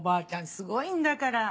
すごいんだから。